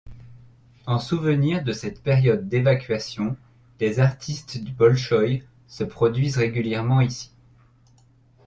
En souvenir de cette période d'évacuation, les artistes du Bolchoï se produisent régulièrement ici.